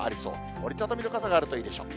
折り畳みの傘があるといいでしょう。